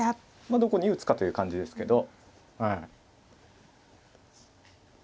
どこに打つかという感じですけどはい。